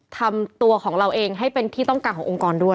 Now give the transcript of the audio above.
ทำตัวของเราเองให้เป็นที่ต้องการขององค์กรด้วย